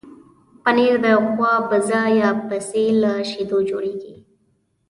پنېر د غوا، بزه یا پسې له شیدو جوړېږي.